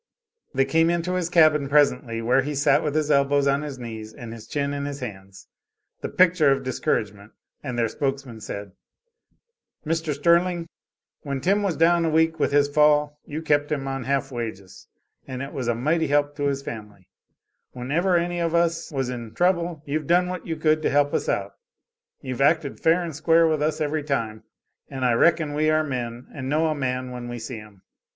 They came into his cabin presently, where he sat with his elbows on his knees and his chin in his hands the picture of discouragement and their spokesman said: "Mr. Sterling, when Tim was down a week with his fall you kept him on half wages and it was a mighty help to his family; whenever any of us was in trouble you've done what you could to help us out; you've acted fair and square with us every time, and I reckon we are men and know a man when we see him.